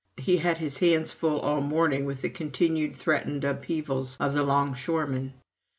He had his hands full all morning with the continued threatened upheavals of the longshoremen.